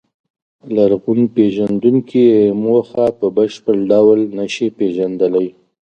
لرغونپېژندونکي یې موخه په بشپړ ډول نهشي پېژندلی.